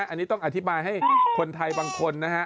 อันนี้ต้องอธิบายให้คนไทยบางคนนะฮะ